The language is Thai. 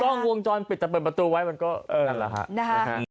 กล้องวงจรปิดแต่เปิดประตูไว้มันก็เออนั่นแหละฮะนะฮะ